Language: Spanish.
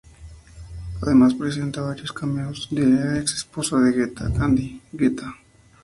Además presenta varios cameos de la ex esposa de Guetta, Cathy Guetta.